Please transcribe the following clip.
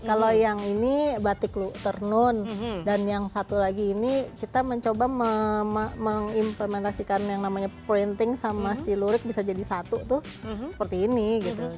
kalau yang ini batik ternun dan yang satu lagi ini kita mencoba mengimplementasikan yang namanya printing sama si lurik bisa jadi satu tuh seperti ini gitu